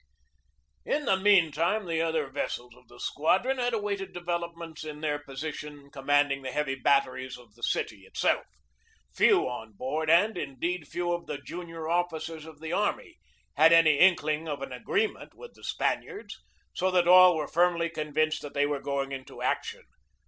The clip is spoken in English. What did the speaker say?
In the meantime the other vessels of the squadron had awaited developments in their position command ing the heavy batteries of the city itself. Few on board, and, indeed, few of the junior officers of the army, had any inkling of an agreement with the Spaniards, so that all were firmly convinced that they were going into action.